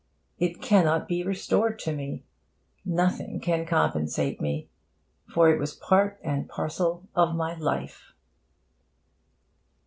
It cannot be restored to me. Nothing can compensate me for it gone. It was part and parcel of my life.